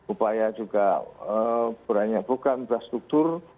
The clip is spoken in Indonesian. upaya juga berani membuka infrastruktur